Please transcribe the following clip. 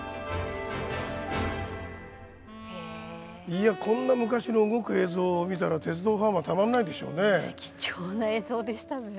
いやこんな昔の動く映像を見たら鉄道ファンはたまんないでしょうね。